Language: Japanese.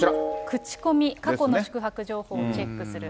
口コミ、過去の宿泊情報をチェックする。